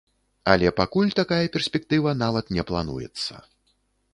Але пакуль такая перспектыва нават не плануецца.